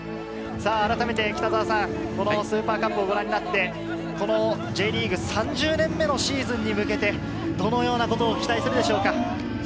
あらためてこのスーパーカップをご覧になってＪリーグ３０年目のシーズンに向けて、どのようなことを期待するでしょうか？